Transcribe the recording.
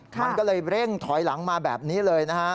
มันก็เลยเร่งถอยหลังมาแบบนี้เลยนะฮะ